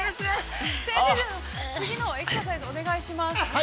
◆先生、次のエクササイズお願いします。